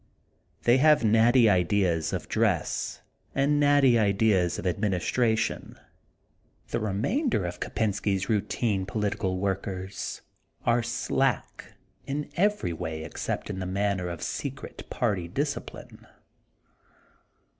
They have natty ideas of dress and natty ideas of administra tion. The remainde of Kopensky 's routine political workers are slack in every way ex cept in th^ matter of secret party discipUne.